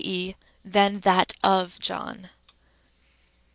6. " than that of John.